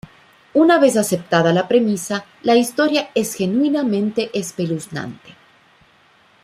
Una vez aceptada la premisa, la historia es genuinamente espeluznante.